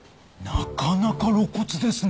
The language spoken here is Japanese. なかなか露骨ですね。